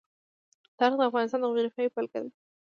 تاریخ د افغانستان د جغرافیې بېلګه ده.